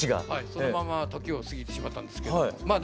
そのまま時を過ぎてしまったんですけどまあ